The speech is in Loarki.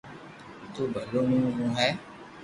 تو ڀلو مون نو مون